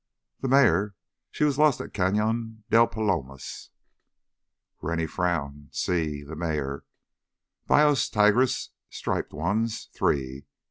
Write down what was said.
"The mare, she was lost at Cañon del Palomas." Rennie frowned, "Sí, the mare. Bayos tigres—striped ones —three.